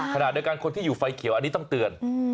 ขนาดในการคุณที่อยู่ในไฟเขียวอันนี้ต้องเตือน